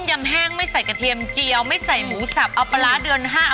ฉันไปสั่งเอดีกว่าไม่สั่งกับเธอดีกว่า